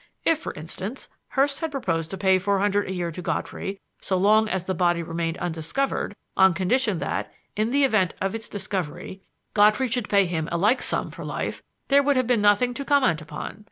If, for instance, Hurst had proposed to pay four hundred a year to Godfrey so long as the body remained undiscovered on condition that, in the event of its discovery, Godfrey should pay him a like sum for life, there would have been nothing to comment upon.